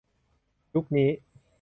ยุคนี้